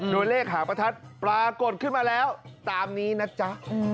โดยเลขหางประทัดปรากฏขึ้นมาแล้วตามนี้นะจ๊ะ